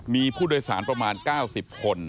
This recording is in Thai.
มีผู้โดยสารประมาณ๙๐คน